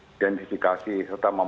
dan identifikasi dengan